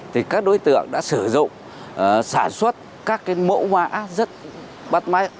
thì các đối tượng đã sử dụng sản xuất các cái mẫu mã